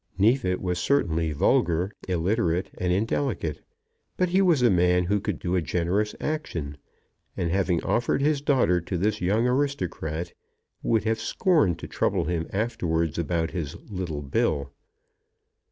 Neefit was certainly vulgar, illiterate, and indelicate; but he was a man who could do a generous action, and having offered his daughter to this young aristocrat would have scorned to trouble him afterwards about his "little bill."